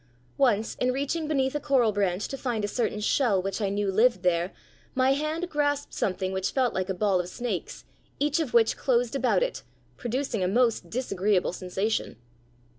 Once in reaching beneath a coral branch to find a certain shell which I knew lived there, my hand grasped something which felt like a ball of snakes, each of which closed about it, producing a most disagreeable sensation.